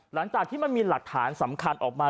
หลังจากที่มันมีหลักฐานสำคัญออกมา